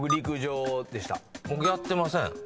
僕やってません。